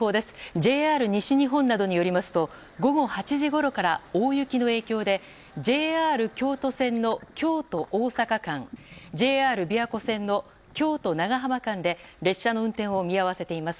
ＪＲ西日本などによりますと午後８時ごろから大雪の影響でＪＲ京都線の京都大阪間ＪＲ琵琶湖線の京都長浜間で列車の運転を見合わせています。